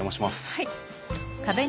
はい。